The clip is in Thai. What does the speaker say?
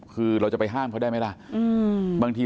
คือเราจะไปห้ามเขาได้ไหมล่ะบางที